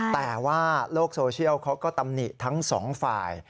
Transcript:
แต่ว่าโลกโซเชียลเขาก็ตำหนิทั้งสองฝ่าย